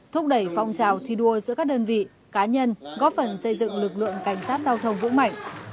thúc đẩy phong trào thi đua giữa các đơn vị cá nhân góp phần xây dựng lực lượng cảnh sát giao thông vững mạnh